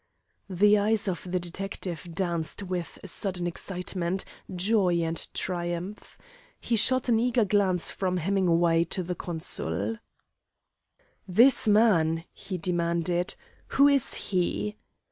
The eyes of the detective danced with sudden excitement, joy, and triumph. He shot an eager glance from Hemingway to the consul. "This man," he demanded; "who is he?"